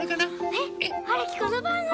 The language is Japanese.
えっ。